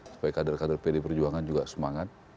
supaya kader kader pd perjuangan juga semangat